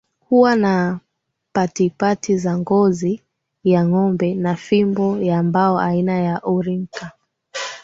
Huwa na patipati za ngozi ya ngombe na fimbo ya mbao aina ya Orinka